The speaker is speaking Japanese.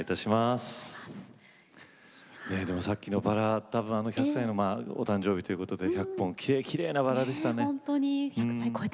さっきのバラ１００歳の誕生日ということで１００本のバラ、きれいでしたね。